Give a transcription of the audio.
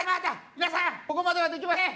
皆さんここまではできましたね？